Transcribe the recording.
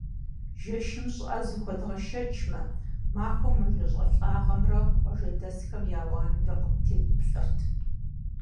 Жэщым щӀыӀэр зыхуэдгъэшэчмэ, махуэм мэжэщӀалӀагъэмрэ къуажэдэсхэм я ауанымрэ къыттегуплӀэрт.